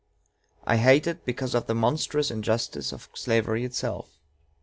I hate it because of the monstrous injustice of slavery itself.